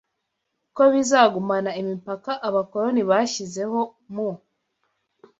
ko bizagumana imipaka abakoloni bashyizeho mu